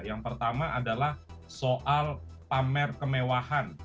yang pertama adalah soal pamer kemewahan